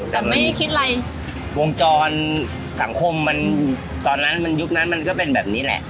แต่มึงวงจรสังคมยุคนั้นก็เป็นแบบนี้แหละ